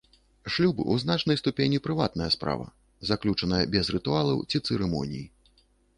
Шлюб у значнай ступені прыватная справа, заключаная без рытуалаў ці цырымоній.